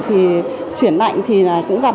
thì chuyển lạnh thì cũng gặp